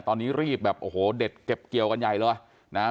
ตอนนี้รีบแบบโอ้โหเด็ดเก็บเกี่ยวกันใหญ่เลยนะฮะ